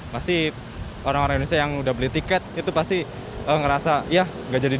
pasti orang orang indonesia yang udah beli tiket itu pasti ngerasa ya nggak jadi